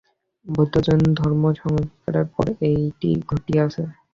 বৌদ্ধ ও জৈন ধর্ম-সংস্কারের পর এইটি ঘটিয়াছে।